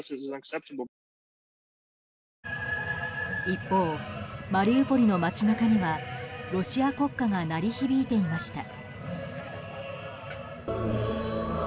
一方、マリウポリの街中にはロシア国歌が鳴り響いていました。